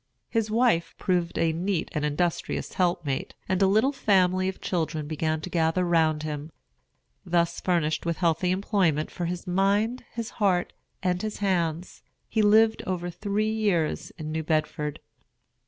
His wife proved a neat and industrious helpmate, and a little family of children began to gather round him. Thus furnished with healthy employment for his mind, his heart, and his hands, he lived over three years in New Bedford.